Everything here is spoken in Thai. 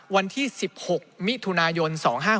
วันที่๑๖มิถุนายน๒๕๖